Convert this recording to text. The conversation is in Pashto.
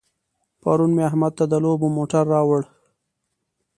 پرون مې احمد ته د لوبو موټر راوړ.